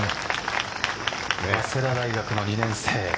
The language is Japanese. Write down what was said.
早稲田大学の２年生。